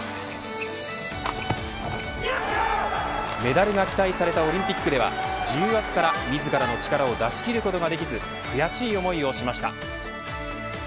メダルが期待されたオリンピックでは重圧から自らの力を出し切ることができず悔しい思いをしました。